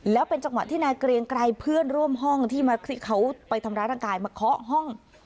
แล้วเป็นจังหวะที่นายเกรียงไกรเพื่อนร่วมห้องที่เขาไปทำร้ายร่างกายมาเคาะห้อง